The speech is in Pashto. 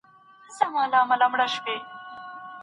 داسي ژوند کي لازمي بولمه مینه